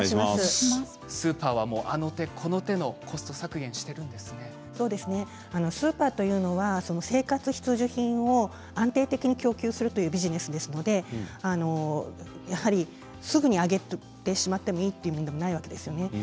スーパーはあの手この手のそうですねスーパーというのは生活必需品を安定的に供給するというビジネスですのでやはりすぐに上げてしまってもいいというものではないわけですよね。